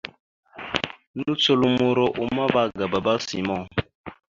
Nùcolomoro a uma ava ga baba simon.